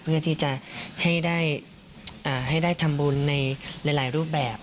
เพื่อที่จะให้ได้ทำบุญในหลายรูปแบบ